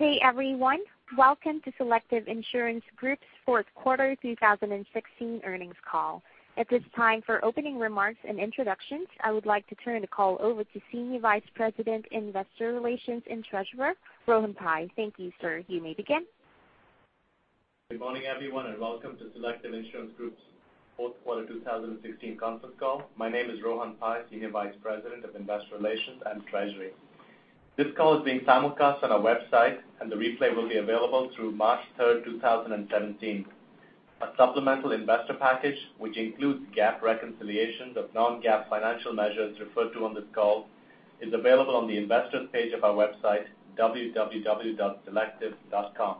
Good day, everyone. Welcome to Selective Insurance Group's fourth quarter 2016 earnings call. At this time, for opening remarks and introductions, I would like to turn the call over to Senior Vice President, Investor Relations and Treasurer, Rohan Pai. Thank you, sir. You may begin. Good morning, everyone, welcome to Selective Insurance Group's fourth quarter 2016 conference call. My name is Rohan Pai, Senior Vice President of Investor Relations and Treasury. This call is being simulcast on our website, and the replay will be available through March third, 2017. A supplemental investor package, which includes GAAP reconciliations of non-GAAP financial measures referred to on this call, is available on the investor's page of our website, www.selective.com.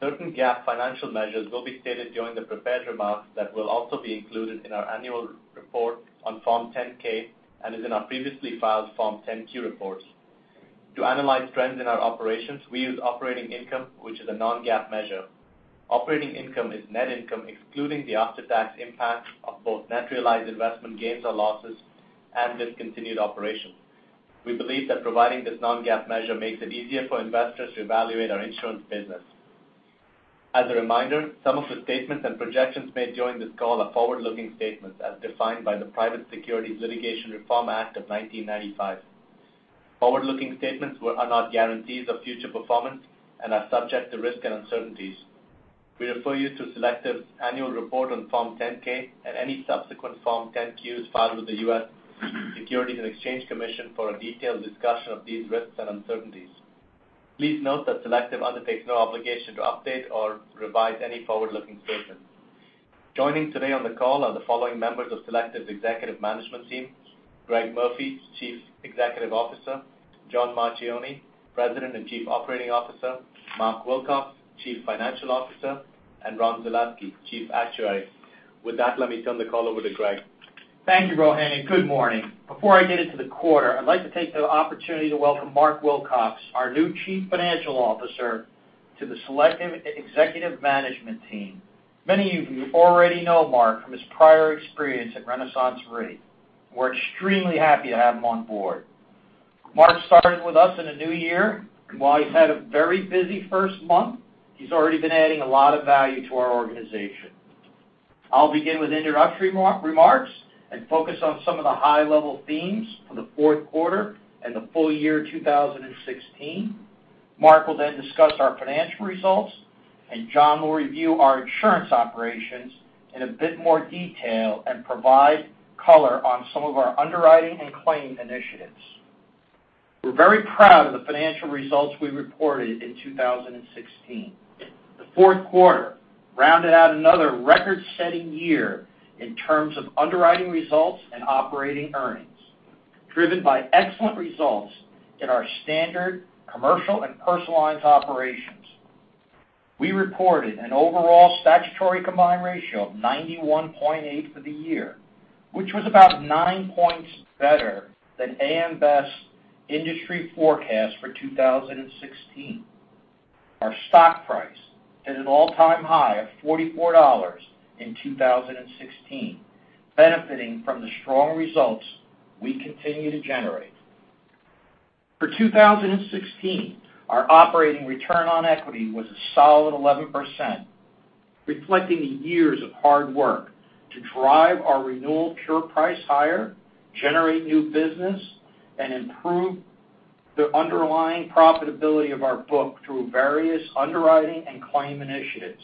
Certain GAAP financial measures will be stated during the prepared remarks that will also be included in our annual report on Form 10-K and is in our previously filed Form 10-Q reports. To analyze trends in our operations, we use operating income, which is a non-GAAP measure. Operating income is net income excluding the after-tax impact of both net realized investment gains or losses and discontinued operations. We believe that providing this non-GAAP measure makes it easier for investors to evaluate our insurance business. As a reminder, some of the statements and projections made during this call are forward-looking statements as defined by the Private Securities Litigation Reform Act of 1995. Forward-looking statements are not guarantees of future performance and are subject to risk and uncertainties. We refer you to Selective's annual report on Form 10-K and any subsequent Form 10-Qs filed with the U.S. Securities and Exchange Commission for a detailed discussion of these risks and uncertainties. Please note that Selective undertakes no obligation to update or revise any forward-looking statements. Joining today on the call are the following members of Selective's executive management team, Greg Murphy, Chief Executive Officer, John Marchioni, President and Chief Operating Officer, Mark Wilcox, Chief Financial Officer, and Ron Zaleski, Chief Actuary. With that, let me turn the call over to Greg. Thank you, Rohan, and good morning. Before I get into the quarter, I'd like to take the opportunity to welcome Mark Wilcox, our new Chief Financial Officer, to the Selective executive management team. Many of you already know Mark from his prior experience at RenaissanceRe. We're extremely happy to have him on board. Mark started with us in a new year, and while he's had a very busy first month, he's already been adding a lot of value to our organization. I'll begin with introductory remarks and focus on some of the high-level themes for the fourth quarter and the full year 2016. Mark will then discuss our financial results, and John will review our insurance operations in a bit more detail and provide color on some of our underwriting and claim initiatives. We're very proud of the financial results we reported in 2016. The fourth quarter rounded out another record-setting year in terms of underwriting results and operating earnings, driven by excellent results in our Standard Commercial Lines and Personal Lines operations. We reported an overall statutory combined ratio of 91.8 for the year, which was about nine points better than A.M. Best industry forecast for 2016. Our stock price hit an all-time high of $44 in 2016, benefiting from the strong results we continue to generate. For 2016, our operating return on equity was a solid 11%, reflecting the years of hard work to drive our renewal pure price higher, generate new business, and improve the underlying profitability of our book through various underwriting and claim initiatives.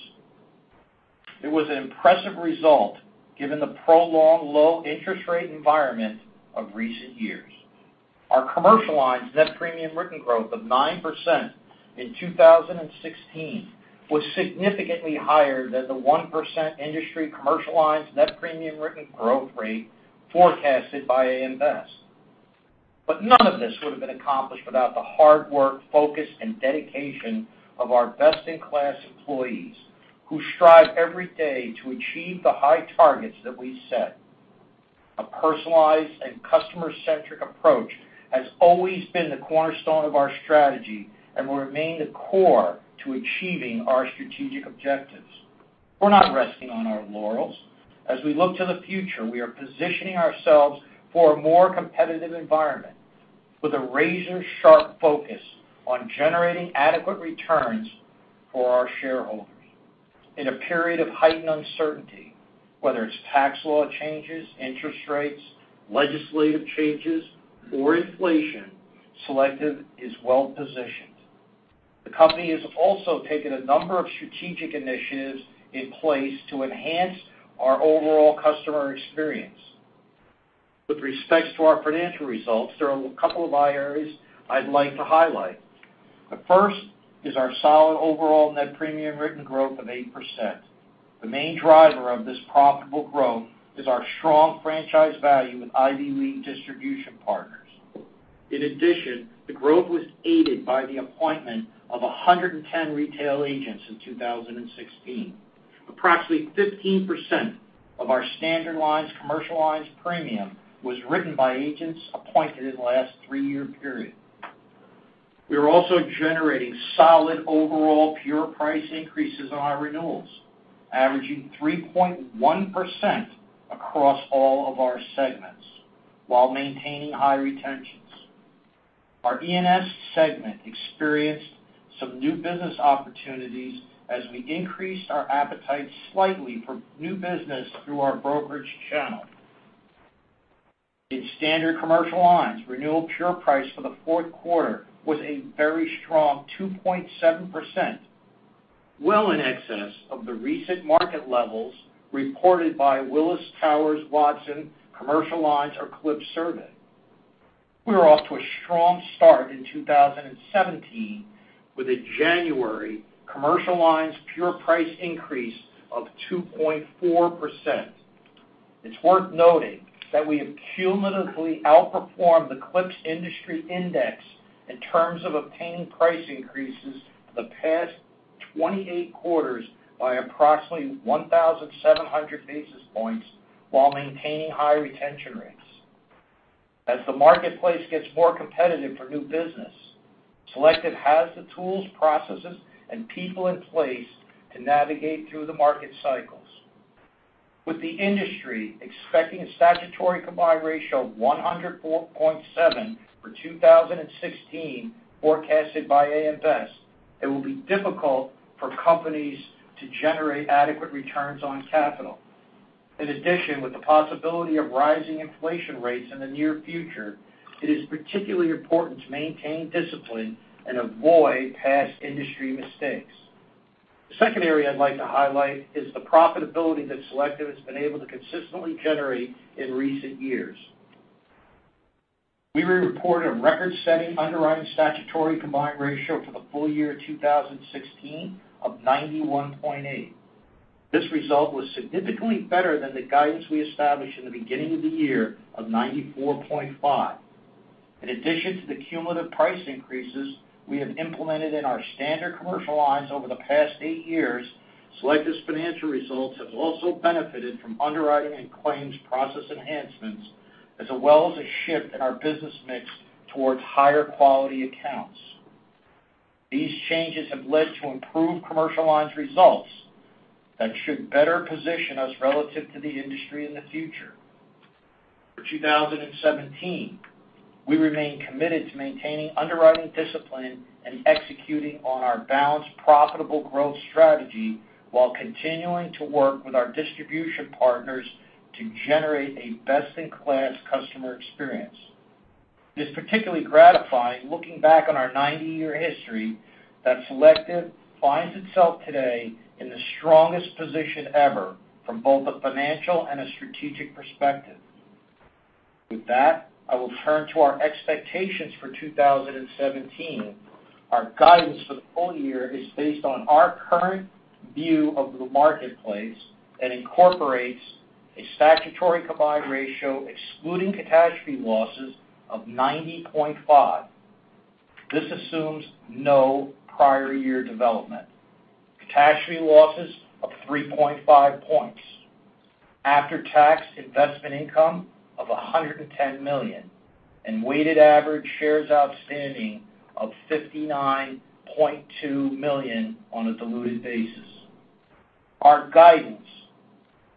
It was an impressive result given the prolonged low interest rate environment of recent years. Our commercial lines net premium written growth of 9% in 2016 was significantly higher than the 1% industry commercial lines net premium written growth rate forecasted by A.M. Best. None of this would've been accomplished without the hard work, focus, and dedication of our best-in-class employees who strive every day to achieve the high targets that we set. A personalized and customer-centric approach has always been the cornerstone of our strategy and will remain the core to achieving our strategic objectives. We're not resting on our laurels. As we look to the future, we are positioning ourselves for a more competitive environment with a razor-sharp focus on generating adequate returns for our shareholders. In a period of heightened uncertainty, whether it's tax law changes, interest rates, legislative changes, or inflation, Selective is well-positioned. The company has also taken a number of strategic initiatives in place to enhance our overall customer experience. With respect to our financial results, there are a couple of areas I'd like to highlight. The first is our solid overall net premium written growth of 8%. The main driver of this profitable growth is our strong franchise value with Ivy League distribution partners. In addition, the growth was aided by the appointment of 110 retail agents in 2016. Approximately 15% of our Standard Commercial Lines premium was written by agents appointed in the last three-year period. We are also generating solid overall pure price increases on our renewals, averaging 3.1% across all of our segments while maintaining high retentions. Our E&S segment experienced some new business opportunities as we increased our appetite slightly for new business through our brokerage channel. In Standard Commercial Lines, renewal pure price for the fourth quarter was a very strong 2.7%, well in excess of the recent market levels reported by Willis Towers Watson Commercial Lines or CLIPS survey. We were off to a strong start in 2017 with a January Commercial Lines pure price increase of 2.4%. It's worth noting that we have cumulatively outperformed the CLIPS industry index in terms of obtaining price increases for the past 28 quarters by approximately 1,700 basis points while maintaining high retention rates. As the marketplace gets more competitive for new business, Selective has the tools, processes, and people in place to navigate through the market cycles. With the industry expecting a statutory combined ratio of 104.7 for 2016 forecasted by A.M. Best, it will be difficult for companies to generate adequate returns on capital. In addition, with the possibility of rising inflation rates in the near future, it is particularly important to maintain discipline and avoid past industry mistakes. The second area I'd like to highlight is the profitability that Selective has been able to consistently generate in recent years. We reported a record-setting underwriting statutory combined ratio for the full year 2016 of 91.8. This result was significantly better than the guidance we established in the beginning of the year of 94.5. In addition to the cumulative price increases we have implemented in our Standard Commercial Lines over the past eight years, Selective's financial results have also benefited from underwriting and claims process enhancements, as well as a shift in our business mix towards higher quality accounts. These changes have led to improved Commercial Lines results that should better position us relative to the industry in the future. For 2017, we remain committed to maintaining underwriting discipline and executing on our balanced, profitable growth strategy while continuing to work with our distribution partners to generate a best-in-class customer experience. It's particularly gratifying, looking back on our 90-year history, that Selective finds itself today in the strongest position ever from both a financial and a strategic perspective. With that, I will turn to our expectations for 2017. Our guidance for the full year is based on our current view of the marketplace and incorporates a statutory combined ratio excluding catastrophe losses of 90.5. This assumes no prior year development. Catastrophe losses of 3.5 points. After-tax investment income of $110 million and weighted average shares outstanding of $59.2 million on a diluted basis. Our guidance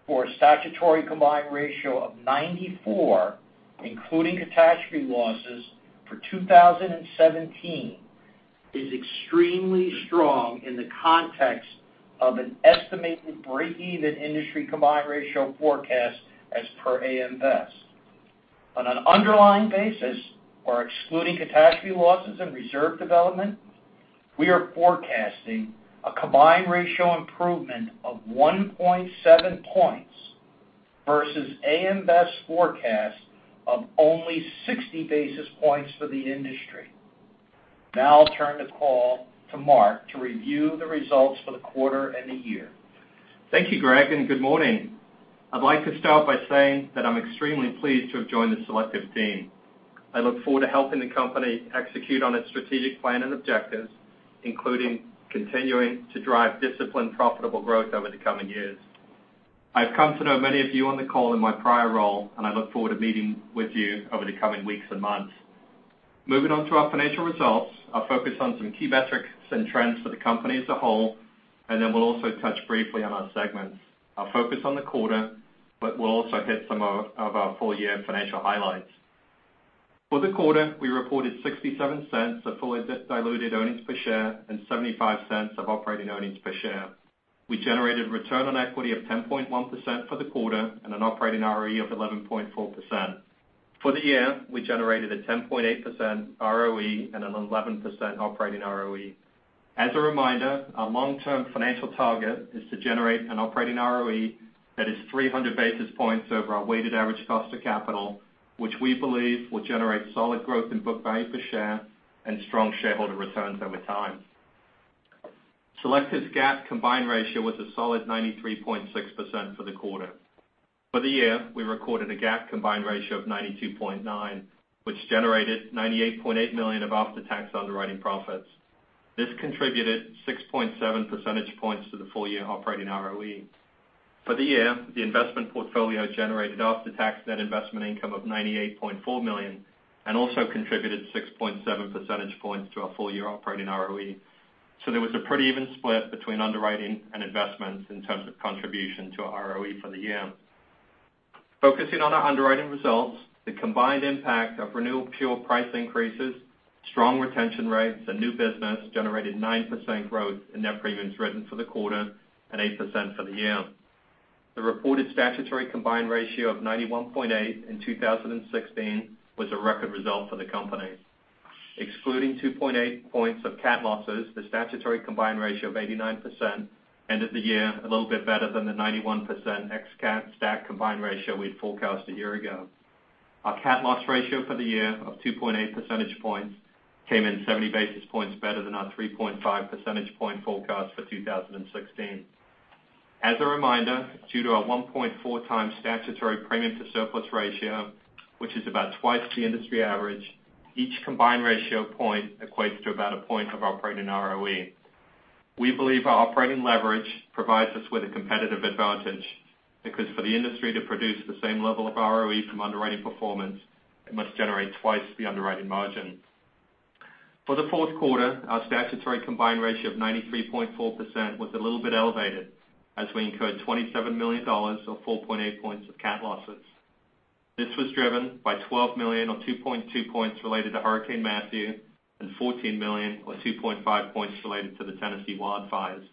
for a statutory combined ratio of 94, including catastrophe losses, for 2017 is extremely strong in the context of an estimated breakeven industry combined ratio forecast as per A.M. Best. On an underlying basis, or excluding catastrophe losses and reserve development, we are forecasting a combined ratio improvement of 1.7 points versus A.M. Best forecast of only 60 basis points for the industry. I'll turn the call to Mark to review the results for the quarter and the year. Thank you, Greg, and good morning. I'd like to start by saying that I'm extremely pleased to have joined the Selective team. I look forward to helping the company execute on its strategic plan and objectives, including continuing to drive disciplined, profitable growth over the coming years. I've come to know many of you on the call in my prior role, and I look forward to meeting with you over the coming weeks and months. Moving on to our financial results, I'll focus on some key metrics and trends for the company as a whole, and then we'll also touch briefly on our segments. I'll focus on the quarter, but we'll also hit some of our full-year financial highlights. For the quarter, we reported $0.67 of fully diluted earnings per share and $0.75 of operating earnings per share. We generated return on equity of 10.1% for the quarter and an operating ROE of 11.4%. For the year, we generated a 10.8% ROE and an 11% operating ROE. As a reminder, our long-term financial target is to generate an operating ROE that is 300 basis points over our weighted average cost of capital, which we believe will generate solid growth in book value per share and strong shareholder returns over time. Selective's GAAP combined ratio was a solid 93.6% for the quarter. For the year, we recorded a GAAP combined ratio of 92.9%, which generated $98.8 million of after-tax underwriting profits. This contributed 6.7 percentage points to the full-year operating ROE. For the year, the investment portfolio generated after-tax net investment income of $98.4 million and also contributed 6.7 percentage points to our full-year operating ROE. There was a pretty even split between underwriting and investments in terms of contribution to our ROE for the year. Focusing on our underwriting results, the combined impact of renewal pure price increases, strong retention rates, and new business generated 9% growth in net premiums written for the quarter and 8% for the year. The reported statutory combined ratio of 91.8% in 2016 was a record result for the company. Excluding 2.8 percentage points of cat losses, the statutory combined ratio of 89% ended the year a little bit better than the 91% ex-cat stat combined ratio we'd forecast a year ago. Our cat loss ratio for the year of 2.8 percentage points came in 70 basis points better than our 3.5 percentage point forecast for 2016. As a reminder, due to our 1.4 times statutory premium to surplus ratio, which is about twice the industry average, each combined ratio point equates to about a point of operating ROE. We believe our operating leverage provides us with a competitive advantage because for the industry to produce the same level of ROE from underwriting performance, it must generate twice the underwriting margin. For the fourth quarter, our statutory combined ratio of 93.4% was a little bit elevated as we incurred $27 million, or 4.8 percentage points of cat losses. This was driven by $12 million, or 2.2 percentage points related to Hurricane Matthew, and $14 million, or 2.5 percentage points related to the Tennessee wildfires.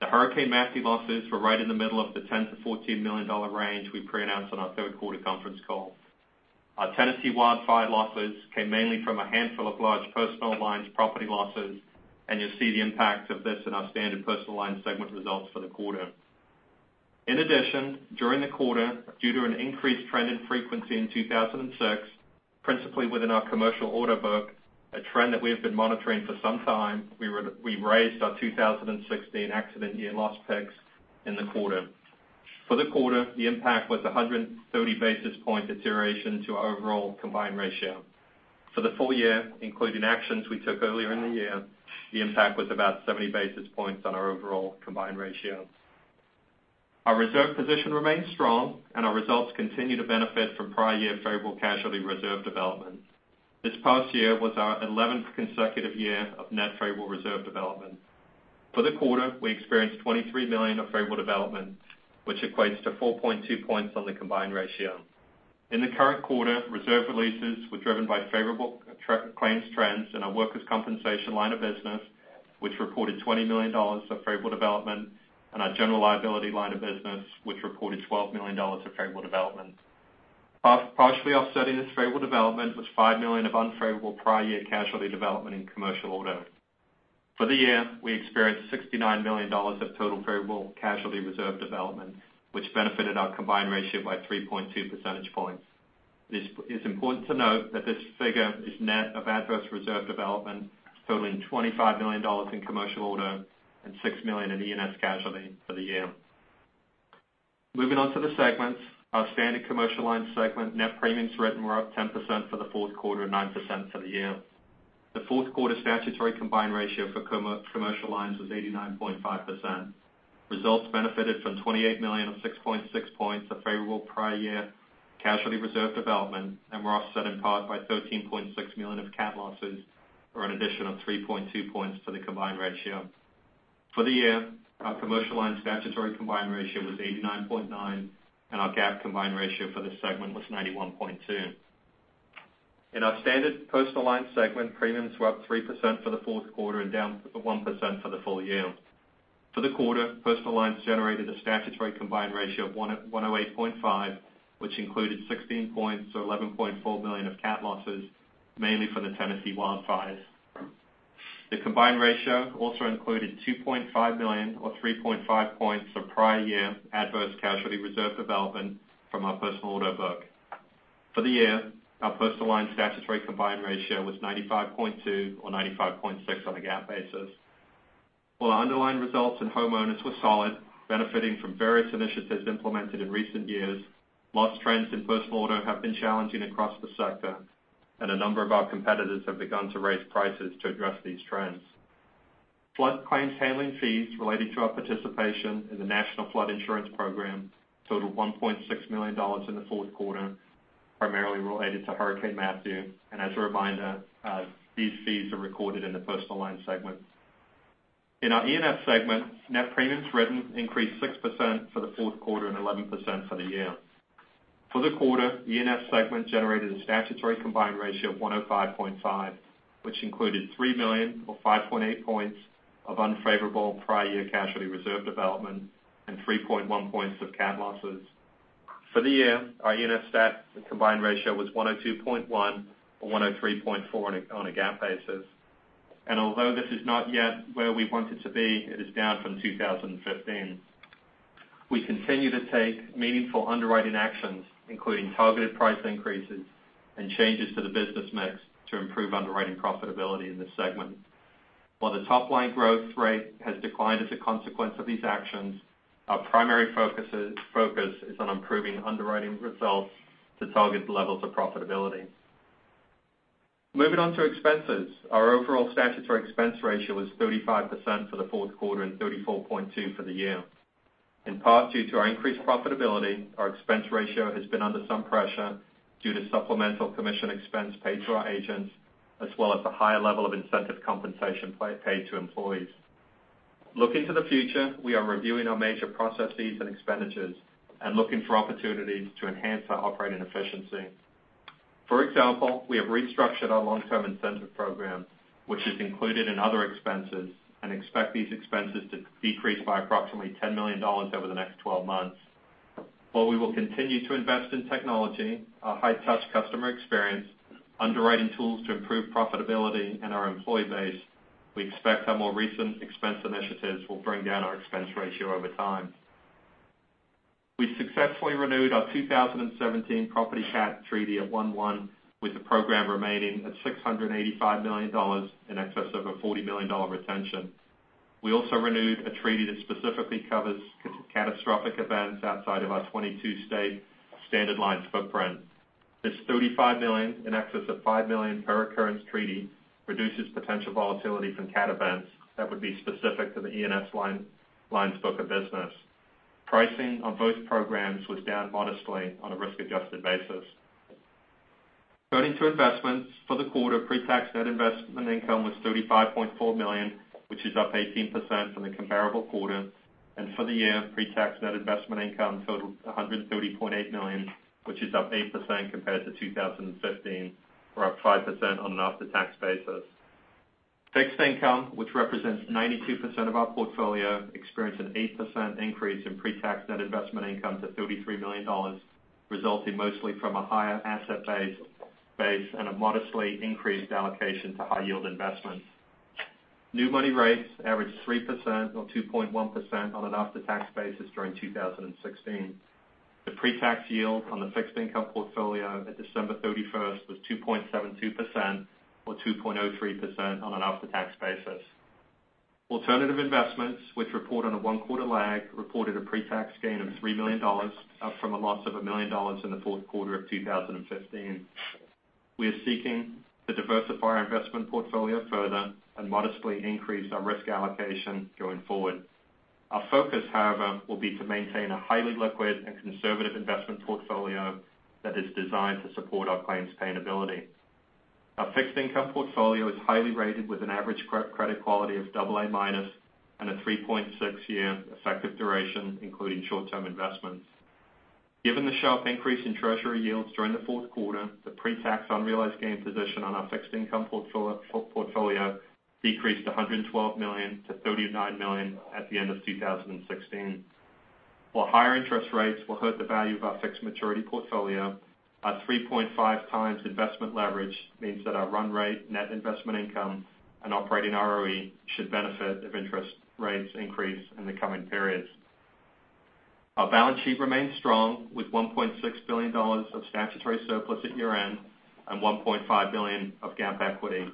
The Hurricane Matthew losses were right in the middle of the $10 million-$14 million range we pre-announced on our third quarter conference call. Our Tennessee wildfire losses came mainly from a handful of large Personal Lines property losses, and you'll see the impact of this in our Standard Personal Lines segment results for the quarter. In addition, during the quarter, due to an increased trend in frequency in 2006, principally within our Commercial Auto book, a trend that we have been monitoring for some time, we raised our 2016 accident year loss picks in the quarter. For the quarter, the impact was 130 basis point deterioration to our overall combined ratio. For the full year, including actions we took earlier in the year, the impact was about 70 basis points on our overall combined ratio. Our reserve position remains strong, and our results continue to benefit from prior year favorable casualty reserve development. This past year was our 11th consecutive year of net favorable reserve development. For the quarter, we experienced $23 million of favorable development, which equates to 4.2 points on the combined ratio. In the current quarter, reserve releases were driven by favorable claims trends in our Workers' Compensation line of business, which reported $20 million of favorable development in our General Liability line of business, which reported $12 million of favorable development. Partially offsetting this favorable development was $5 million of unfavorable prior year casualty development in Commercial Auto. For the year, we experienced $69 million of total favorable casualty reserve development, which benefited our combined ratio by 3.2 percentage points. It's important to note that this figure is net of adverse reserve development totaling $25 million in Commercial Auto and $6 million in E&S casualty for the year. Moving on to the segments. Our Standard Commercial Lines segment net premiums written were up 10% for the fourth quarter and 9% for the year. The fourth quarter statutory combined ratio for Commercial Lines was 89.5%. Results benefited from $28 million of 6.6 points of favorable prior year casualty reserve development and were offset in part by $13.6 million of cat losses or an addition of 3.2 points for the combined ratio. For the year, our Commercial Lines statutory combined ratio was 89.9%, and our GAAP combined ratio for the segment was 91.2%. In our Standard Personal Lines segment, premiums were up 3% for the fourth quarter and down 1% for the full year. For the quarter, Personal Lines generated a statutory combined ratio of 108.5%, which included 16 points or $11.4 million of cat losses, mainly for the Tennessee wildfires. The combined ratio also included $2.5 million or 3.5 points of prior year adverse casualty reserve development from our Personal Auto book. For the year, our Personal Lines statutory combined ratio was 95.2% or 95.6% on a GAAP basis. While our underlying results in homeowners were solid, benefiting from various initiatives implemented in recent years, loss trends in Personal Auto have been challenging across the sector, and a number of our competitors have begun to raise prices to address these trends. Flood claims handling fees related to our participation in the National Flood Insurance Program totaled $1.6 million in the fourth quarter, primarily related to Hurricane Matthew. As a reminder, these fees are recorded in the Personal Lines segment. In our E&S segment, net premiums written increased 6% for the fourth quarter and 11% for the year. For the quarter, E&S segment generated a statutory combined ratio of 105.5, which included $3 million or 5.8 points of unfavorable prior year casualty reserve development and 3.1 points of cat losses. For the year, our E&S stat combined ratio was 102.1 or 103.4 on a GAAP basis. Although this is not yet where we want it to be, it is down from 2015. We continue to take meaningful underwriting actions, including targeted price increases and changes to the business mix to improve underwriting profitability in this segment. While the top-line growth rate has declined as a consequence of these actions, our primary focus is on improving underwriting results to target levels of profitability. Moving on to expenses. Our overall statutory expense ratio was 35% for the fourth quarter and 34.2% for the year. In part, due to our increased profitability, our expense ratio has been under some pressure due to supplemental commission expense paid to our agents, as well as the higher level of incentive compensation paid to employees. Looking to the future, we are reviewing our major processes and expenditures and looking for opportunities to enhance our operating efficiency. For example, we have restructured our long-term incentive program, which is included in other expenses, and expect these expenses to decrease by approximately $10 million over the next 12 months. While we will continue to invest in technology, our high-touch customer experience, underwriting tools to improve profitability in our employee base, we expect our more recent expense initiatives will bring down our expense ratio over time. We successfully renewed our 2017 property cat treaty at 1/1, with the program remaining at $685 million, in excess of a $40 million retention. We also renewed a treaty that specifically covers catastrophic events outside of our 22-state Standard Lines footprint. This $35 million in excess of $5 million per occurrence treaty reduces potential volatility from cat events that would be specific to the E&S line's book of business. Pricing on both programs was down modestly on a risk-adjusted basis. Turning to investments. For the quarter, pre-tax net investment income was $35.4 million, which is up 18% from the comparable quarter. For the year, pre-tax net investment income totaled $130.8 million, which is up 8% compared to 2015, or up 5% on an after-tax basis. Fixed income, which represents 92% of our portfolio, experienced an 8% increase in pre-tax net investment income to $33 million, resulting mostly from a higher asset base and a modestly increased allocation to high-yield investments. New money rates averaged 3% or 2.1% on an after-tax basis during 2016. The pre-tax yield on the fixed income portfolio at December 31st was 2.72%, or 2.03% on an after-tax basis. Alternative investments, which report on a one-quarter lag, reported a pre-tax gain of $3 million, up from a loss of $1 million in the fourth quarter of 2015. We are seeking to diversify our investment portfolio further and modestly increase our risk allocation going forward. Our focus, however, will be to maintain a highly liquid and conservative investment portfolio that is designed to support our claims payability. Our fixed income portfolio is highly rated, with an average credit quality of double A-minus, and a 3.6-year effective duration, including short-term investments. Given the sharp increase in treasury yields during the fourth quarter, the pre-tax unrealized gain position on our fixed income portfolio decreased $112 million to $39 million at the end of 2016. While higher interest rates will hurt the value of our fixed maturity portfolio, our 3.5 times investment leverage means that our run rate net investment income and operating ROE should benefit if interest rates increase in the coming periods. Our balance sheet remains strong, with $1.6 billion of statutory surplus at year-end and $1.5 billion of GAAP equity.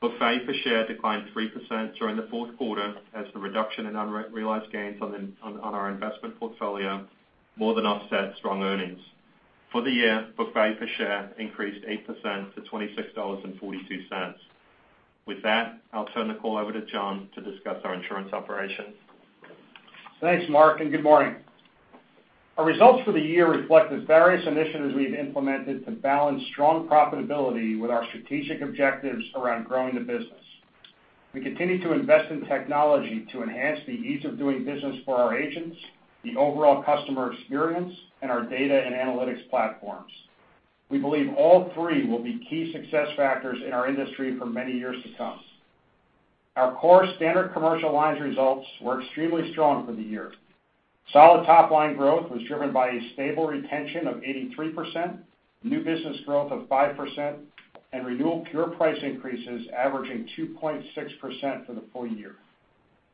Book value per share declined 3% during the fourth quarter as the reduction in unrealized gains on our investment portfolio more than offset strong earnings. For the year, book value per share increased 8% to $26.42. With that, I'll turn the call over to John to discuss our insurance operations. Thanks, Mark, and good morning. Our results for the year reflect the various initiatives we've implemented to balance strong profitability with our strategic objectives around growing the business. We continue to invest in technology to enhance the ease of doing business for our agents, the overall customer experience, and our data and analytics platforms. We believe all three will be key success factors in our industry for many years to come. Our core Standard Commercial Lines results were extremely strong for the year. Solid top-line growth was driven by a stable retention of 83%, new business growth of 5%, and renewal pure price increases averaging 2.6% for the full year.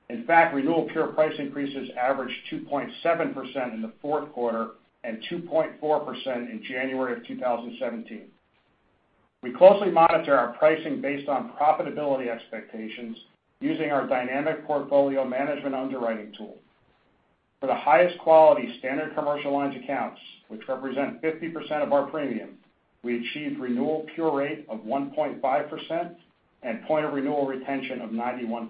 In fact, renewal pure price increases averaged 2.7% in the fourth quarter and 2.4% in January of 2017. We closely monitor our pricing based on profitability expectations using our dynamic portfolio management underwriting tool. For the highest quality Standard Commercial Lines accounts, which represent 50% of our premium, we achieved renewal pure rate of 1.5% and point of renewal retention of 91%.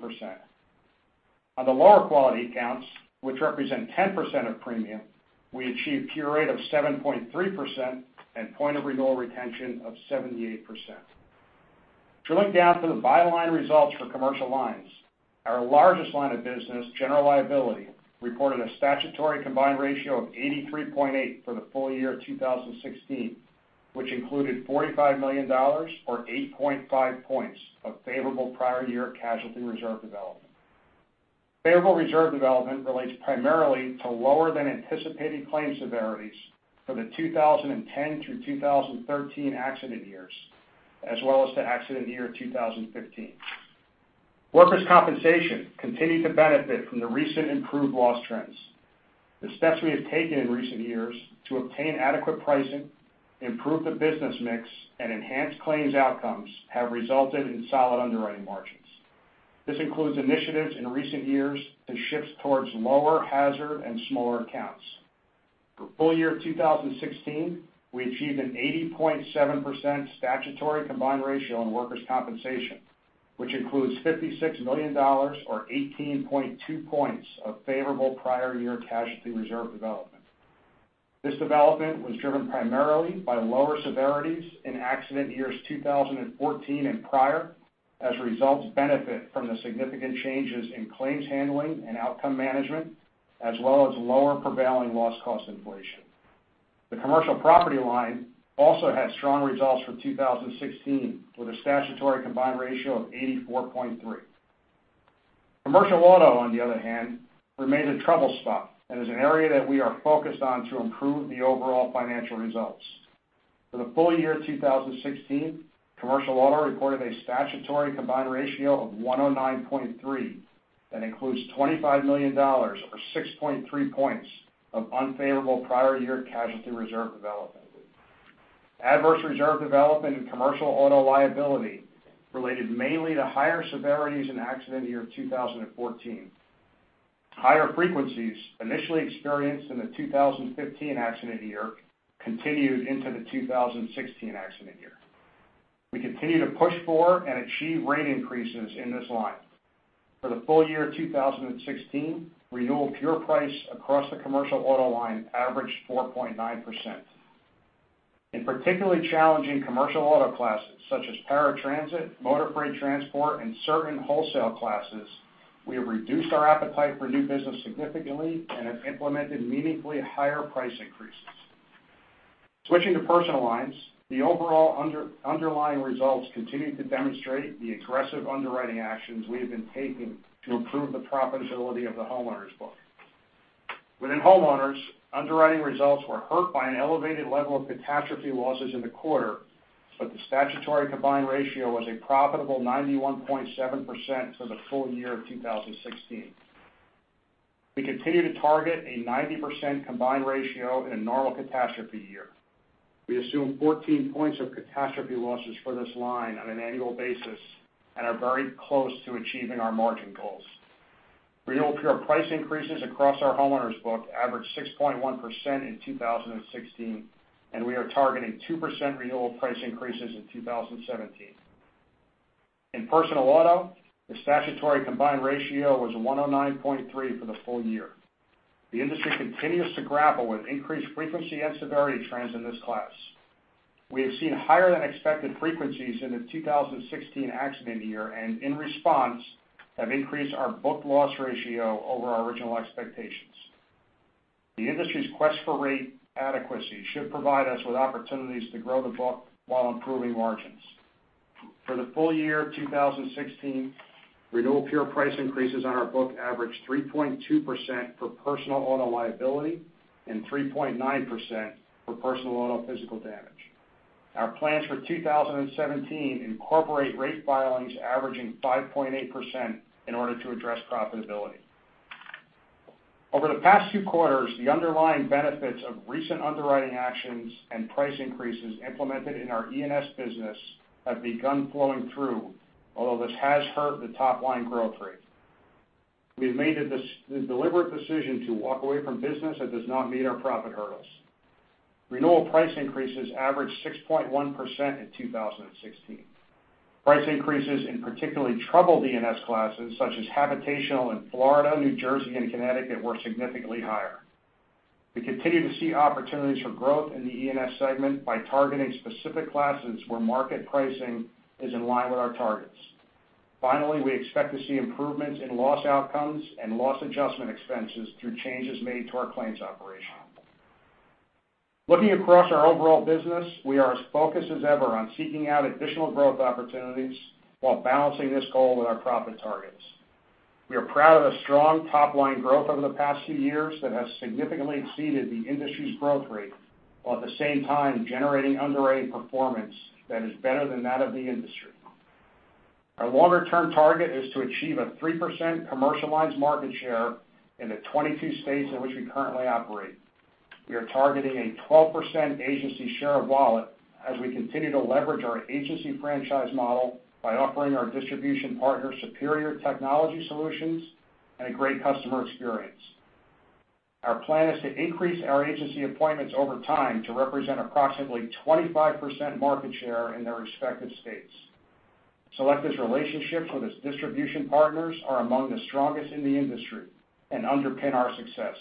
On the lower quality accounts, which represent 10% of premium, we achieved pure rate of 7.3% and point of renewal retention of 78%. Drilling down to the by-line results for Commercial Lines, our largest line of business, General Liability, reported a statutory combined ratio of 83.8% for the full year 2016, which included $45 million, or 8.5 points of favorable prior year casualty reserve development. Favorable reserve development relates primarily to lower than anticipated claims severities for the 2010 through 2013 accident years, as well as to accident year 2015. Workers' Compensation continued to benefit from the recent improved loss trends. The steps we have taken in recent years to obtain adequate pricing, improve the business mix, and enhance claims outcomes have resulted in solid underwriting margins. This includes initiatives in recent years to shift towards lower hazard and smaller accounts. For full year 2016, we achieved an 80.7% statutory combined ratio in Workers' Compensation, which includes $56 million, or 18.2 points of favorable prior year casualty reserve development. This development was driven primarily by lower severities in accident years 2014 and prior, as results benefit from the significant changes in claims handling and outcome management, as well as lower prevailing loss cost inflation. The Commercial Property line also had strong results for 2016, with a statutory combined ratio of 84.3%. Commercial Auto, on the other hand, remains a trouble spot and is an area that we are focused on to improve the overall financial results. For the full year 2016, Commercial Auto reported a statutory combined ratio of 109.3. That includes $25 million, or 6.3 points of unfavorable prior year casualty reserve development. Adverse reserve development in Commercial Auto liability related mainly to higher severities in accident year 2014. Higher frequencies initially experienced in the 2015 accident year continued into the 2016 accident year. We continue to push for and achieve rate increases in this line. For the full year 2016, renewal pure price across the Commercial Auto line averaged 4.9%. In particularly challenging Commercial Auto classes such as Paratransit, motor freight transport, and certain wholesale classes, we have reduced our appetite for new business significantly and have implemented meaningfully higher price increases. Switching to Personal Lines, the overall underlying results continue to demonstrate the aggressive underwriting actions we have been taking to improve the profitability of the homeowners book. Within homeowners, underwriting results were hurt by an elevated level of catastrophe losses in the quarter, but the statutory combined ratio was a profitable 91.7% for the full year of 2016. We continue to target a 90% combined ratio in a normal catastrophe year. We assume 14 points of catastrophe losses for this line on an annual basis and are very close to achieving our margin goals. Renewal pure price increases across our homeowners book averaged 6.1% in 2016, and we are targeting 2% renewal price increases in 2017. In Personal Auto, the statutory combined ratio was 109.3 for the full year. The industry continues to grapple with increased frequency and severity trends in this class. We have seen higher than expected frequencies in the 2016 accident year and in response, have increased our book loss ratio over our original expectations. The industry's quest for rate adequacy should provide us with opportunities to grow the book while improving margins. For the full year 2016, renewal pure price increases on our book averaged 3.2% for Personal Auto liability and 3.9% for Personal Auto physical damage. Our plans for 2017 incorporate rate filings averaging 5.8% in order to address profitability. Over the past two quarters, the underlying benefits of recent underwriting actions and price increases implemented in our E&S business have begun flowing through, although this has hurt the top-line growth rate. We have made the deliberate decision to walk away from business that does not meet our profit hurdles. Renewal price increases averaged 6.1% in 2016. Price increases in particularly troubled E&S classes such as habitational in Florida, New Jersey, and Connecticut were significantly higher. We continue to see opportunities for growth in the E&S segment by targeting specific classes where market pricing is in line with our targets. Finally, we expect to see improvements in loss outcomes and loss adjustment expenses through changes made to our claims operation. Looking across our overall business, we are as focused as ever on seeking out additional growth opportunities while balancing this goal with our profit targets. We are proud of the strong top-line growth over the past few years that has significantly exceeded the industry's growth rate, while at the same time generating underwriting performance that is better than that of the industry. Our longer-term target is to achieve a 3% Commercial Lines market share in the 22 states in which we currently operate. We are targeting a 12% agency share of wallet as we continue to leverage our agency franchise model by offering our distribution partners superior technology solutions and a great customer experience. Our plan is to increase our agency appointments over time to represent approximately 25% market share in their respective states. Selective's relationships with its distribution partners are among the strongest in the industry and underpin our success.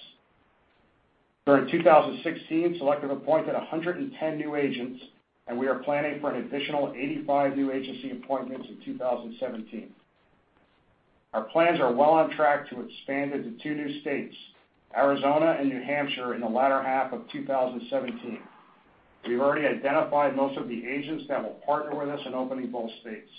During 2016, Selective appointed 110 new agents, and we are planning for an additional 85 new agency appointments in 2017. Our plans are well on track to expand into two new states, Arizona and New Hampshire, in the latter half of 2017. We've already identified most of the agents that will partner with us in opening both states.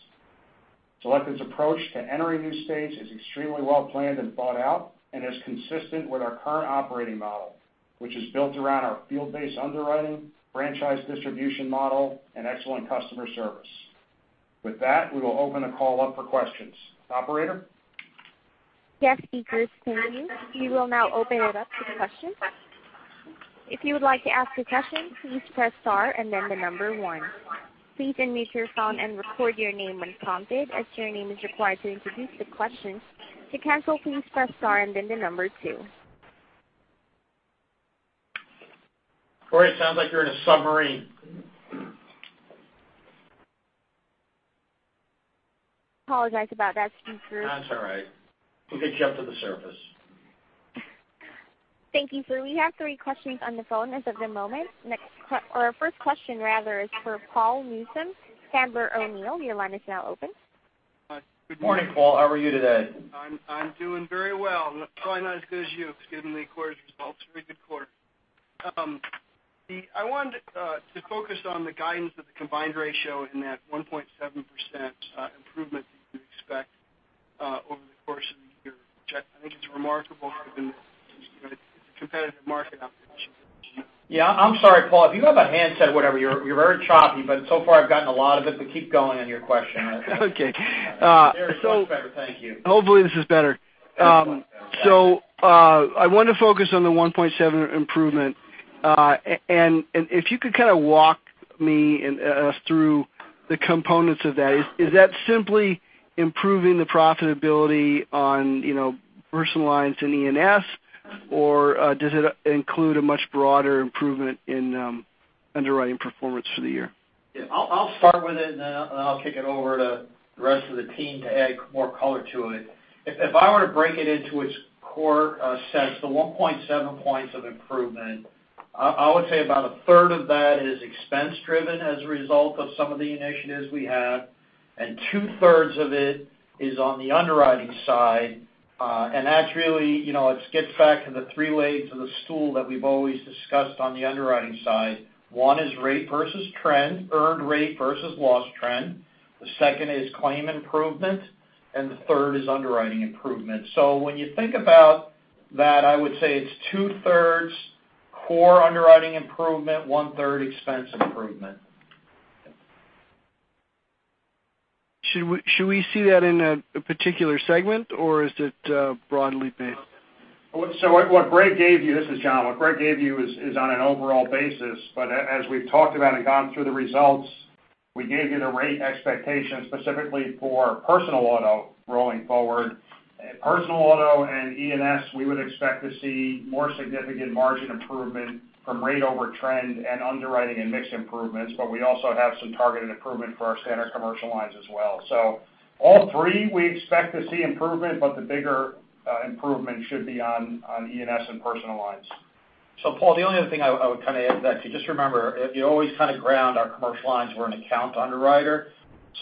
Selective's approach to entering new states is extremely well-planned and thought-out and is consistent with our current operating model, which is built around our field-based underwriting, franchise distribution model, and excellent customer service. With that, we will open the call up for questions. Operator? Yes, speakers. We will now open it up to questions. If you would like to ask a question, please press star and then the number one. Please unmute your phone and record your name when prompted, as your name is required to introduce the question. To cancel, please press star and then the number two. Corey, it sounds like you're in a submarine. Apologize about that. Thanks, group. That's all right. We'll get you up to the surface. Thank you, sir. We have three questions on the phone as of the moment. Our first question rather is for Paul Newsome, Sandler O'Neill. Your line is now open. Hi, good morning. Morning, Paul. How are you today? I'm doing very well. Probably not as good as you, given the quarter's results. Very good quarter. I wanted to focus on the guidance of the combined ratio and that 1.7% improvement that you expect over the course of the year. I think it's remarkable given the competitive market out there. Yeah, I'm sorry, Paul. Do you have a handset or whatever? You're very choppy, so far I've gotten a lot of it. Keep going on your question. Okay. There, much better. Thank you. Hopefully this is better. Much better. I want to focus on the 1.7 improvement. If you could kind of walk me and us through the components of that. Is that simply improving the profitability on Personal Lines and E&S, or does it include a much broader improvement in underwriting performance for the year? Yeah, I'll start with it, and then I'll kick it over to the rest of the team to add more color to it. If I were to break it into its core sets, the 1.7 points of improvement, I would say about a third of that is expense driven as a result of some of the initiatives we have, and two-thirds of it is on the underwriting side. That's really, it gets back to the three legs of the stool that we've always discussed on the underwriting side. One is rate versus trend, earned rate versus loss trend. The second is claim improvement, and the third is underwriting improvement. When you think about that, I would say it's two-thirds core underwriting improvement, one-third expense improvement. Should we see that in a particular segment, or is it broadly based? What Greg gave you, this is John. What Greg gave you is on an overall basis, but as we've talked about and gone through the results, we gave you the rate expectations specifically for Personal Auto going forward. Personal Auto and E&S, we would expect to see more significant margin improvement from rate over trend and underwriting and mix improvements. We also have some targeted improvement for our Standard Commercial Lines as well. All three we expect to see improvement, the bigger improvement should be on E&S and Personal Lines. Paul, the only other thing I would kind of add to that, if you just remember, you always kind of ground our commercial lines. We're an account underwriter.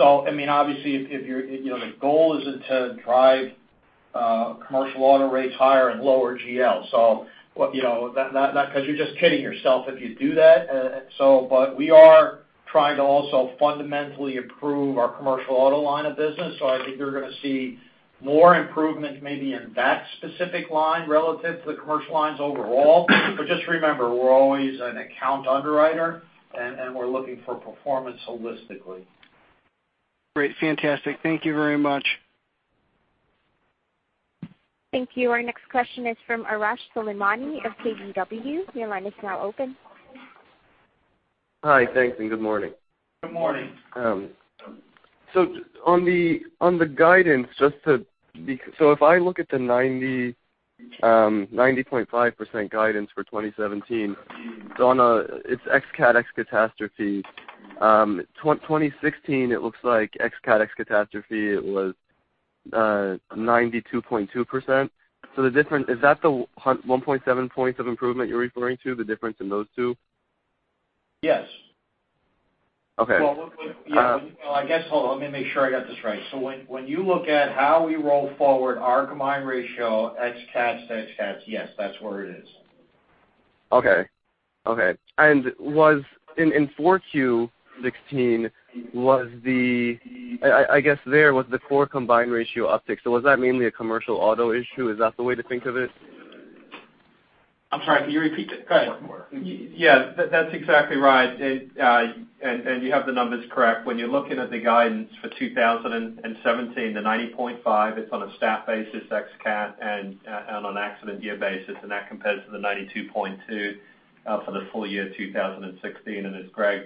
I mean, obviously, the goal isn't to drive Commercial Auto rates higher and lower GL. Because you're just kidding yourself if you do that. We are trying to also fundamentally improve our Commercial Auto line of business. I think you're going to see more improvement maybe in that specific line relative to the commercial lines overall. Just remember, we're always an account underwriter, and we're looking for performance holistically. Great. Fantastic. Thank you very much. Thank you. Our next question is from Arash Soleimani of KBW. Your line is now open. Hi. Thanks, and good morning. Good morning. On the guidance, if I look at the 90% guidance for 2017, it's ex cat, ex catastrophe. 2016, it looks like ex cat, ex catastrophe, it was 92.2%. The difference, is that the 1.7 points of improvement you're referring to, the difference in those two? Yes. Okay. Well, I guess, let me make sure I got this right. When you look at how we roll forward our combined ratio ex cats to ex cats, yes, that's where it is. Okay. In 4Q 2016, I guess there was the core combined ratio uptick. Was that mainly a Commercial Auto issue? Is that the way to think of it? I'm sorry, can you repeat that? Go ahead. Yeah. That's exactly right. You have the numbers correct. When you're looking at the guidance for 2017, the 90.5, it's on a stat basis, ex cat, and on an accident year basis, and that compares to the 92.2 for the full year 2016. As Greg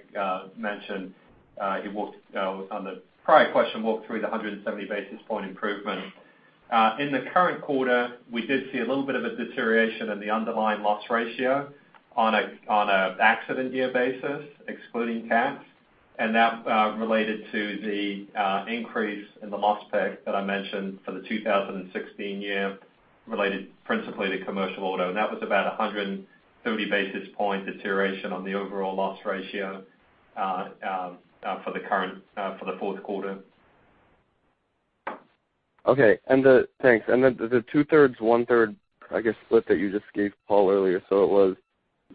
mentioned, on the prior question, walked through the 170 basis point improvement. In the current quarter, we did see a little bit of a deterioration in the underlying loss ratio on an accident year basis, excluding cats, and that related to the increase in the loss pick that I mentioned for the 2016 year, related principally to Commercial Auto. That was about 130 basis point deterioration on the overall loss ratio for the fourth quarter. Okay. Thanks. The two-thirds, one-third, I guess, split that you just gave Paul earlier.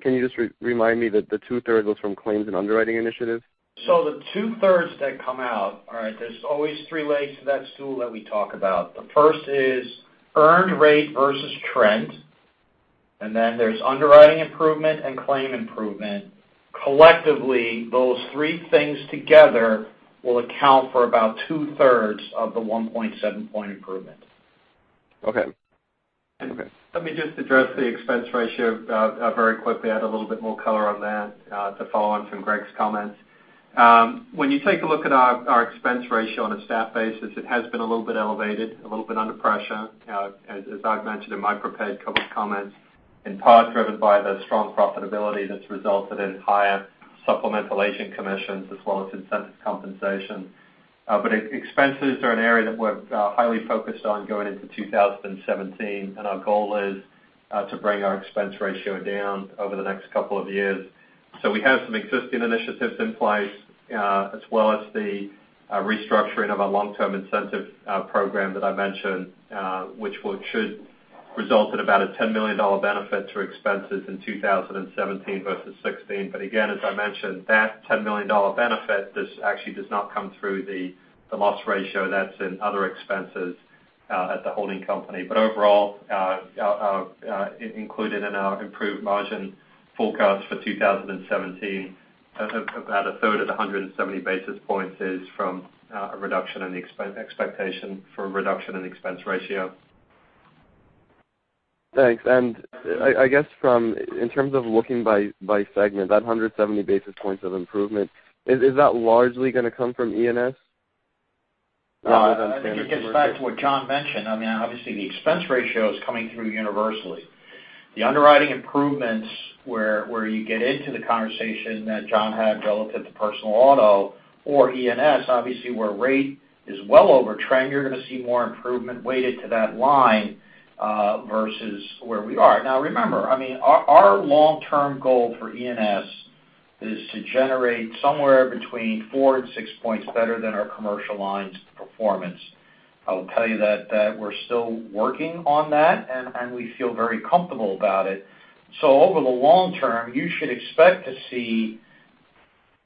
Can you just remind me that the two-thirds was from claims and underwriting initiatives? The two-thirds that come out, all right, there's always three legs to that stool that we talk about. The first is earned rate versus trend, then there's underwriting improvement and claim improvement. Collectively, those three things together will account for about two-thirds of the 1.7 point improvement. Okay. Let me just address the expense ratio very quickly. Add a little bit more color on that to follow on from Greg's comments. When you take a look at our expense ratio on a stat basis, it has been a little bit elevated, a little bit under pressure. As I've mentioned in my prepared couple comments, in part driven by the strong profitability that's resulted in higher supplemental agent commissions as well as incentive compensation. Expenses are an area that we're highly focused on going into 2017, and our goal is to bring our expense ratio down over the next couple of years. We have some existing initiatives in place as well as the restructuring of our long-term incentive program that I mentioned which should result in about a $10 million benefit to expenses in 2017 versus 2016. Again, as I mentioned, that $10 million benefit, this actually does not come through the loss ratio that's in other expenses at the holding company. Overall, included in our improved margin forecast for 2017, about a third of 170 basis points is from a reduction in the expectation for a reduction in expense ratio. Thanks. I guess in terms of looking by segment, that 170 basis points of improvement, is that largely going to come from E&S rather than Standard Commercial? It gets back to what John mentioned. Obviously, the expense ratio is coming through universally. The underwriting improvements where you get into the conversation that John had relative to personal auto or E&S, obviously where rate is well over trend, you're going to see more improvement weighted to that line versus where we are. Now, remember, our long-term goal for E&S is to generate somewhere between four and six points better than our Commercial Lines performance. I will tell you that we're still working on that, and we feel very comfortable about it. Over the long term, you should expect to see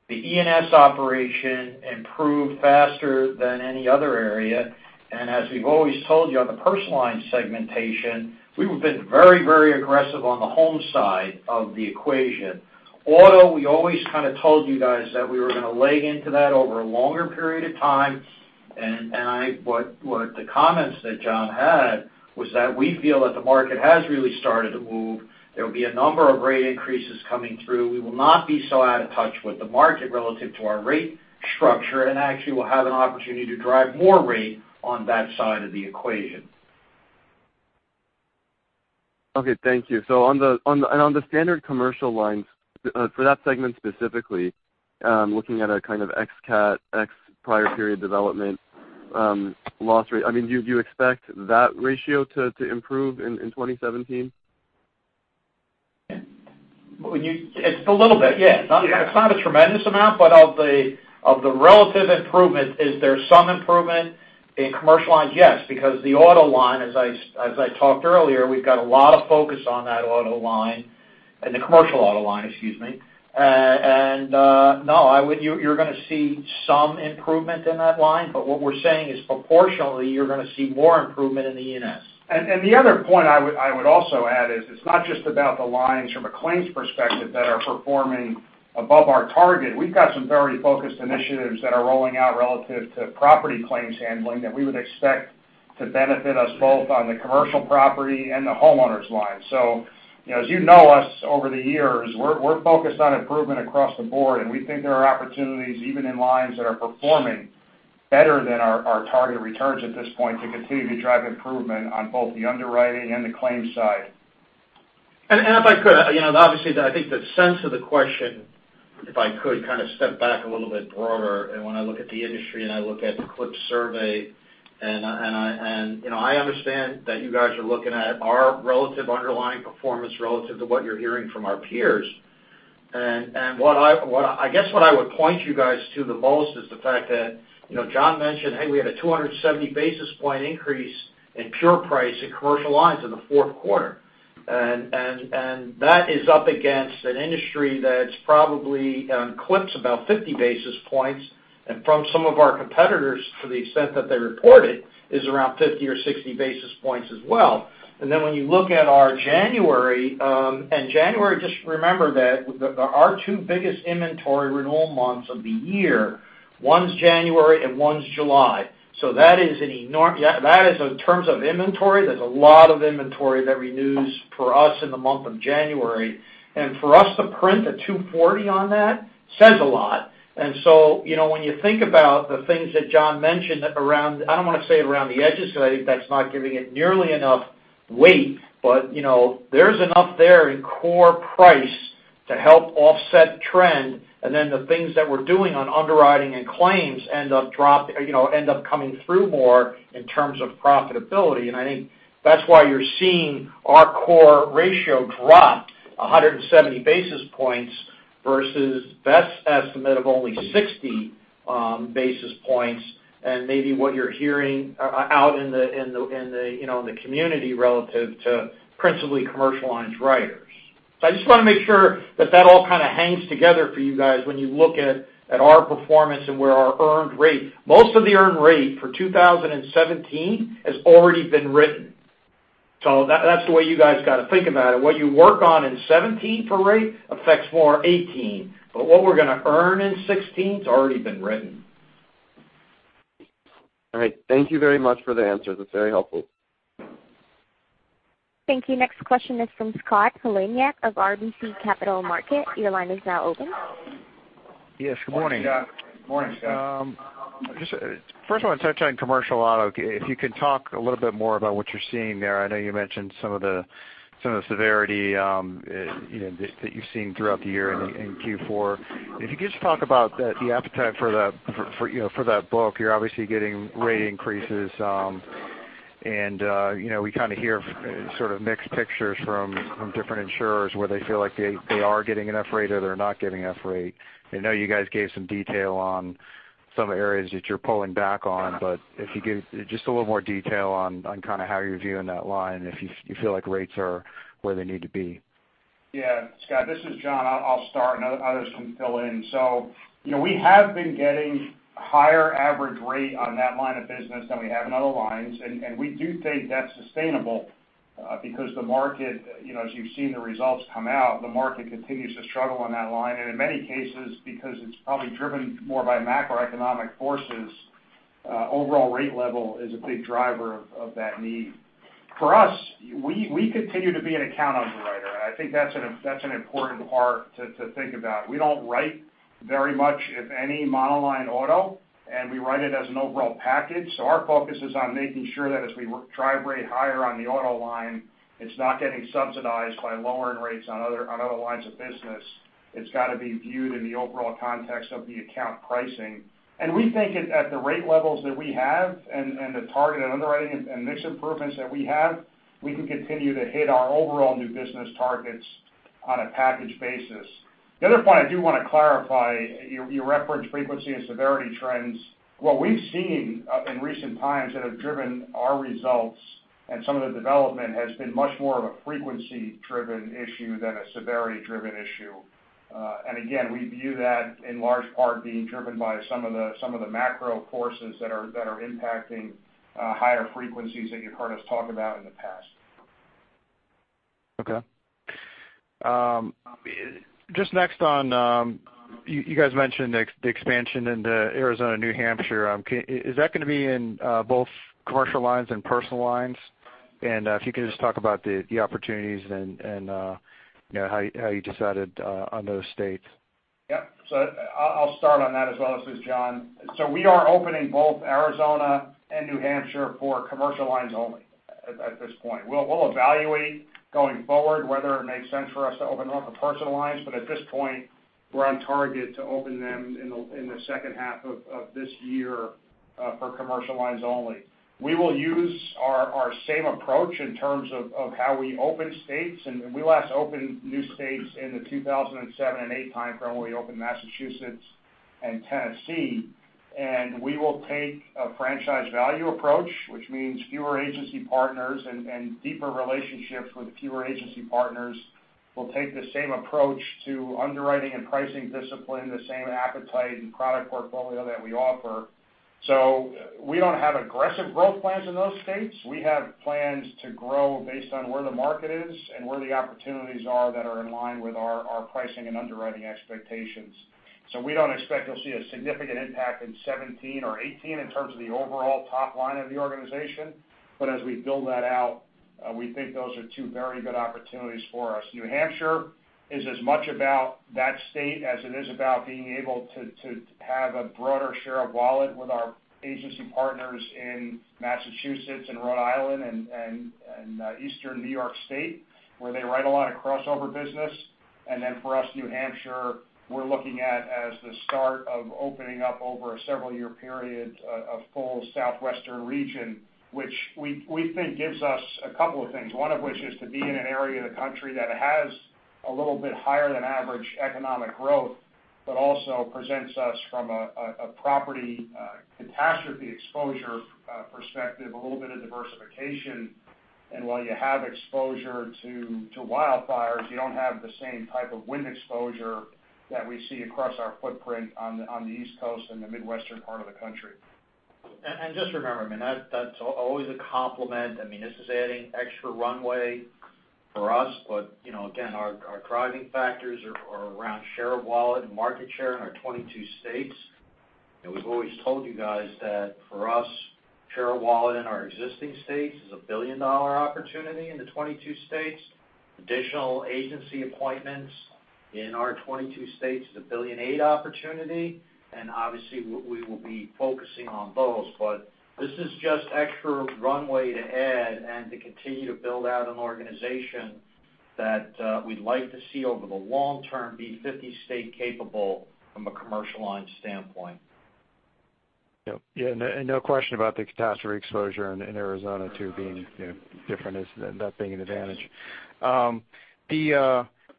the E&S operation improve faster than any other area. As we've always told you on the Personal Lines segmentation, we've been very aggressive on the home side of the equation. Auto, we always kind of told you guys that we were going to lay into that over a longer period of time. The comments that John had was that we feel that the market has really started to move. There will be a number of rate increases coming through. We will not be so out of touch with the market relative to our rate structure, and actually we'll have an opportunity to drive more rate on that side of the equation. Thank you. On the Standard Commercial Lines, for that segment specifically, looking at a kind of ex cat, ex prior period development loss rate, do you expect that ratio to improve in 2017? A little bit, yeah. It's not a tremendous amount, but of the relative improvement, is there some improvement in commercial lines? Yes, because the auto line, as I talked earlier, we've got a lot of focus on that auto line, the Commercial Auto line, excuse me. No, you're going to see some improvement in that line. What we're saying is proportionally, you're going to see more improvement in the E&S. The other point I would also add is it's not just about the lines from a claims perspective that are performing above our target. We've got some very focused initiatives that are rolling out relative to property claims handling that we would expect to benefit us both on the Commercial Property and the homeowners line. As you know us over the years, we're focused on improvement across the board, and we think there are opportunities, even in lines that are performing better than our target returns at this point, to continue to drive improvement on both the underwriting and the claims side. If I could, obviously, I think the sense of the question, if I could kind of step back a little bit broader, when I look at the industry and I look at the CLIPS, I understand that you guys are looking at our relative underlying performance relative to what you're hearing from our peers. I guess what I would point you guys to the most is the fact that John mentioned, hey, we had a 270 basis point increase in pure price in commercial lines in the fourth quarter. That is up against an industry that's probably on CLIPS about 50 basis points, and from some of our competitors, to the extent that they report it, is around 50 or 60 basis points as well. When you look at our January, and January, just remember that our 2 biggest inventory renewal months of the year, one's January and one's July. That is in terms of inventory, there's a lot of inventory that renews for us in the month of January. For us to print a 240 on that says a lot. When you think about the things that John mentioned around, I don't want to say around the edges because I think that's not giving it nearly enough weight, but there's enough there in core price to help offset trend, the things that we're doing on underwriting and claims end up coming through more in terms of profitability. I think that's why you're seeing our core ratio drop 170 basis points versus A.M. Best's estimate of only 60 basis points, and maybe what you're hearing out in the community relative to principally Commercial Lines writers. I just want to make sure that all kind of hangs together for you guys when you look at our performance and where our earned rate. Most of the earned rate for 2017 has already been written. That's the way you guys got to think about it. What you work on in 2017 for rate affects more 2018. What we're going to earn in 2016 has already been written. All right. Thank you very much for the answers. That's very helpful. Thank you. Next question is from Scott Heleniak of RBC Capital Markets. Your line is now open. Yes, good morning. Morning, Scott. Just first I want to touch on Commercial Auto. If you can talk a little bit more about what you're seeing there. I know you mentioned some of the severity that you're seeing throughout the year in Q4. If you could just talk about the appetite for that book. You're obviously getting rate increases, and we hear sort of mixed pictures from different insurers where they feel like they are getting enough rate or they're not getting enough rate. I know you guys gave some detail on some areas that you're pulling back on, but if you could give just a little more detail on how you're viewing that line, if you feel like rates are where they need to be. Scott, this is John. I'll start, and others can fill in. We have been getting higher average rate on that line of business than we have in other lines, and we do think that's sustainable because the market, as you've seen the results come out, the market continues to struggle on that line. In many cases, because it's probably driven more by macroeconomic forces, overall rate level is a big driver of that need. For us, we continue to be an account underwriter. I think that's an important part to think about. We don't write very much, if any, monoline auto, and we write it as an overall package. Our focus is on making sure that as we drive rate higher on the auto line, it's not getting subsidized by lowering rates on other lines of business. It's got to be viewed in the overall context of the account pricing. We think at the rate levels that we have and the target underwriting and mix improvements that we have, we can continue to hit our overall new business targets on a package basis. The other point I do want to clarify, you referenced frequency and severity trends. What we've seen in recent times that have driven our results and some of the development has been much more of a frequency-driven issue than a severity-driven issue. Again, we view that in large part being driven by some of the macro forces that are impacting higher frequencies that you've heard us talk about in the past. Okay. Just next on, you guys mentioned the expansion into Arizona, New Hampshire. Is that going to be in both commercial lines and personal lines? If you could just talk about the opportunities and how you decided on those states. Yep. I'll start on that as well. This is John. We are opening both Arizona and New Hampshire for commercial lines only at this point. We'll evaluate going forward whether it makes sense for us to open them up for personal lines. At this point, we're on target to open them in the second half of this year for commercial lines only. We will use our same approach in terms of how we open states, and we last opened new states in the 2007 and 2008 time frame when we opened Massachusetts and Tennessee. We will take a franchise value approach, which means fewer agency partners and deeper relationships with fewer agency partners. We'll take the same approach to underwriting and pricing discipline, the same appetite and product portfolio that we offer. We don't have aggressive growth plans in those states. We have plans to grow based on where the market is and where the opportunities are that are in line with our pricing and underwriting expectations. We don't expect you'll see a significant impact in 2017 or 2018 in terms of the overall top line of the organization. As we build that out, we think those are two very good opportunities for us. New Hampshire is as much about that state as it is about being able to have a broader share of wallet with our agency partners in Massachusetts and Rhode Island and Eastern New York State, where they write a lot of crossover business. For us, New Hampshire, we're looking at as the start of opening up over a several year period a full Southwestern region, which we think gives us a couple of things, one of which is to be in an area of the country that has a little bit higher than average economic growth, but also presents us from a property catastrophe exposure perspective, a little bit of diversification. While you have exposure to wildfires, you don't have the same type of wind exposure that we see across our footprint on the East Coast and the Midwestern part of the country. Just remember, that's always a compliment. This is adding extra runway for us. Again, our driving factors are around share of wallet and market share in our 22 states. We've always told you guys that for us, share of wallet in our existing states is a billion-dollar opportunity in the 22 states. Additional agency appointments in our 22 states is a billion-eight opportunity, and obviously, we will be focusing on those. This is just extra runway to add and to continue to build out an organization that we'd like to see over the long term be 50 state capable from a Commercial Line standpoint. Yep. Yeah, no question about the catastrophe exposure in Arizona too being different, that being an advantage.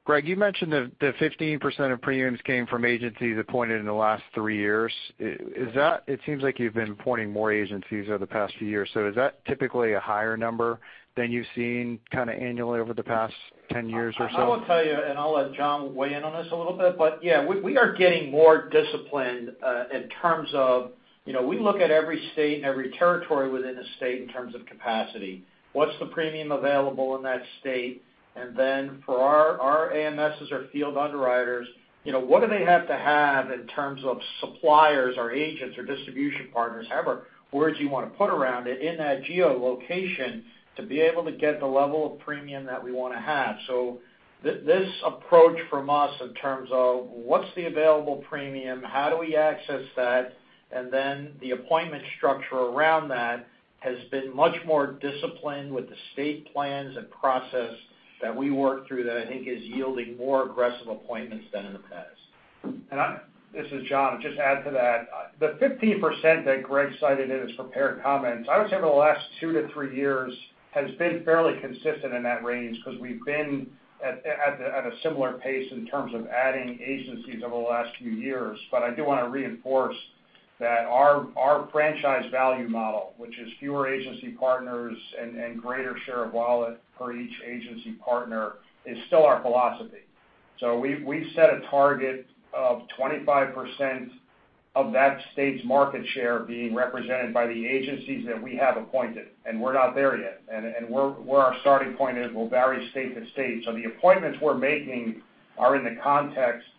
Greg, you mentioned the 15% of premiums came from agencies appointed in the last three years. It seems like you've been appointing more agencies over the past few years. Is that typically a higher number than you've seen annually over the past 10 years or so? I will tell you, I'll let John weigh in on this a little bit, but yeah, we are getting more disciplined in terms of, we look at every state and every territory within a state in terms of capacity. What's the premium available in that state? Then for our AMSs or field underwriters, what do they have to have in terms of suppliers or agents or distribution partners, however words you want to put around it, in that geolocation to be able to get the level of premium that we want to have. This approach from us in terms of what's the available premium, how do we access that, and then the appointment structure around that, has been much more disciplined with the state plans and process that we work through that I think is yielding more aggressive appointments than in the past. This is John. Just add to that, the 15% that Greg cited in his prepared comments, I would say over the last two to three years has been fairly consistent in that range because we've been at a similar pace in terms of adding agencies over the last few years. I do want to reinforce that our franchise value model, which is fewer agency partners and greater share of wallet per each agency partner, is still our philosophy. We've set a target of 25% of that state's market share being represented by the agencies that we have appointed, and we're not there yet. Where our starting point is will vary state to state. The appointments we're making are in the context of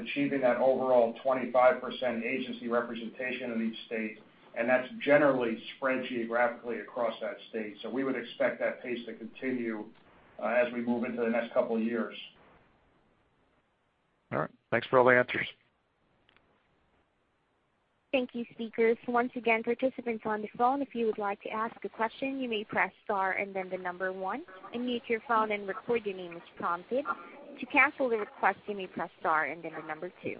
achieving that overall 25% agency representation in each state, and that's generally spread geographically across that state. We would expect that pace to continue as we move into the next couple of years. All right. Thanks for all the answers. Thank you, speakers. Once again, participants on the phone, if you would like to ask a question, you may press star and then the number 1, unmute your phone, and record your name as prompted. To cancel the request, you may press star and then the number 2.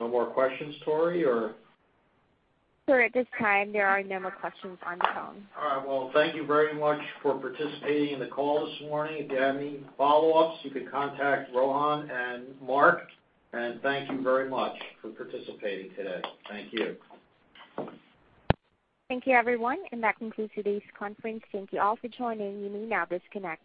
No more questions, Tori? Sir, at this time, there are no more questions on the phone. All right. Well, thank you very much for participating in the call this morning. If you have any follow-ups, you can contact Rohan and Mark, and thank you very much for participating today. Thank you. Thank you, everyone, and that concludes today's conference. Thank you all for joining. You may now disconnect.